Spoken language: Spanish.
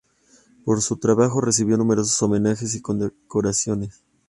Por su trabajo recibió numerosos homenajes y condecoraciones.